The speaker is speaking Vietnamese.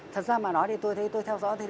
thật ra mà nói thì tôi thấy tôi theo dõi